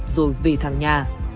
rồi về thằng nhà